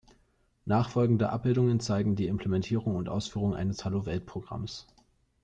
Nachfolgende Abbildungen zeigen die Implementierung und Ausführung eines Hallo-Welt-Programms.